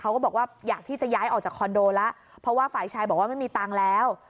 เขาก็บอกว่าอยากที่จะย้ายออกจากคอนโดแล้วเพราะว่าฝ่ายชายบอกว่าไม่มีตังค์แล้ว